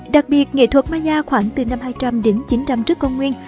đặc biệt nghệ thuật maya khoảng từ năm hai trăm linh đến chín trăm linh trước công nguyên